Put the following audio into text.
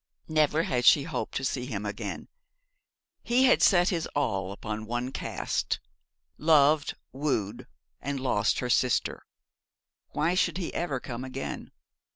Never had she hoped to see him again. He had set his all upon one cast loved, wooed, and lost her sister. Why should he ever come again?